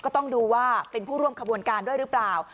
ก็ต้องดูว่าเป็นผู้ร่วมขบวนการด้วยหรือเปล่า